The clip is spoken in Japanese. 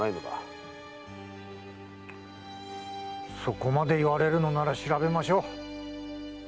そこまで言われるのなら調べましょう。